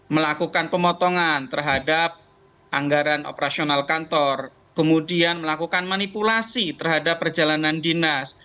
melakukan pemotongan terhadap anggaran operasional kantor kemudian melakukan manipulasi terhadap perjalanan dinas